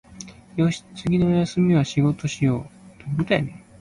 よし、次の休みは仕事しよう